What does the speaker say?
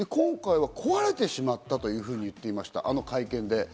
今回は壊れてしまったと言っていました、あの会見で。